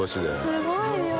すごい量。